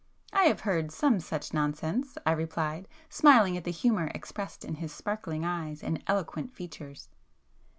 "I have heard some such nonsense,"—I replied, smiling at the humour expressed in his sparkling eyes and eloquent features.